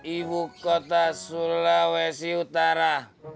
ibu kota sulawesi utara